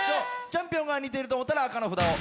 チャンピオンが似ていると思ったら紅の札を。